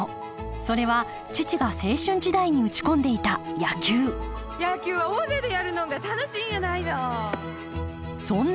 それは父が青春時代に打ち込んでいた野球野球は大勢でやるのんが楽しいんやないの。